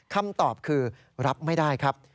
คำตอบคือรับไม่ได้ครับ